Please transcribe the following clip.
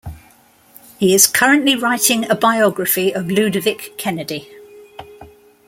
He is currently writing a biography of Ludovic Kennedy.